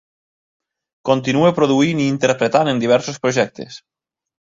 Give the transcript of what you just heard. Continua produint i interpretant en diversos projectes.